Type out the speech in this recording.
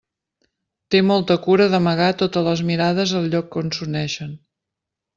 Té molta cura d'amagar a totes les mirades el lloc on s'uneixen.